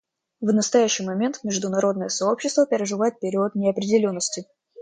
В настоящий момент международное сообщество переживает период неопределенности.